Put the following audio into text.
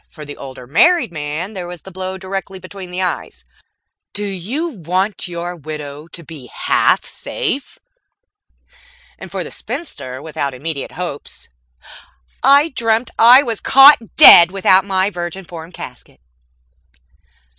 For the older married man, there was a blow directly between the eyes: "Do You Want Your Widow to Be Half Safe?" And, for the spinster without immediate hopes, "_I Dreamt I Was Caught Dead Without My Virginform Casket!